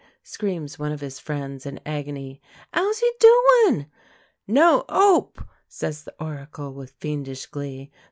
screams one of his friends, in agony. "'Ow's he doin'?" "No 'ope!" says the Oracle, with fiendish glee.